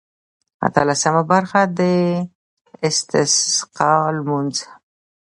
اتلسمه برخه د استسقا لمونځ.